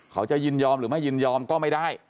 ยินยอมหรือไม่ยินยอมก็ไม่ได้